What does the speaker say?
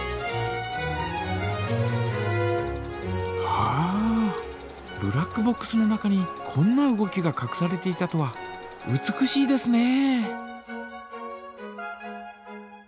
はあブラックボックスの中にこんな動きがかくされていたとは美しいですね！